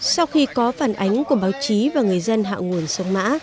sau khi có phản ánh của báo chí và người dân hạ nguồn sông mã